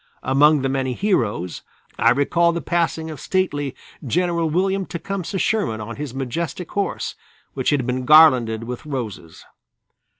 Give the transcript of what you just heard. Among the many heroes, I recall the passing of stately General William Tecumseh Sherman on his majestic horse, which had been garlanded with roses.